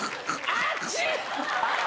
あっち！